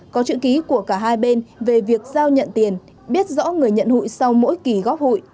có chữ ký của cả hai bên về việc giao nhận tiền biết rõ người nhận hụi sau mỗi kỳ góp hụi